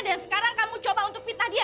dan sekarang kamu coba untuk fitnah dia